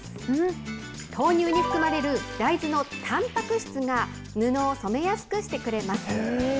豆乳に含まれる大豆のたんぱく質が、布を染めやすくしてくれます。